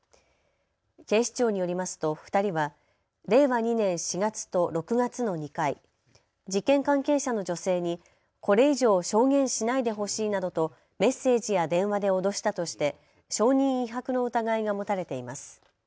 警視庁によりますと２人は令和２年４月と６月の２回、事件関係者の女性にこれ以上、証言しないでほしいなどとメッセージや電話で脅したとして証人威迫の疑いが持たれています。